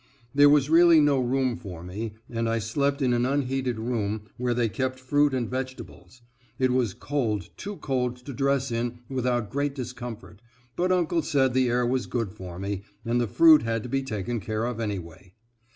There was really no room for me, and I slept in an unheated room, where they kept fruit and vegetables. It was cold, too cold to dress in without great discomfort, but uncle said the air was good for me, and the fruit had to be taken care of anyway.